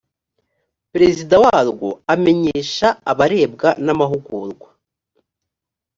perezida warwo amenyesha abarebwa n’amahugurwa.